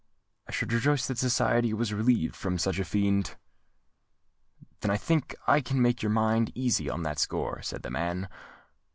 "I should rejoice that society was relieved from such a fiend." "Then I think that I can make your mind easy on that score," said the man.